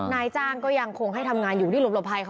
นายจ้างก็ยังคงให้ทำงานอยู่ที่หลบภัยค่ะ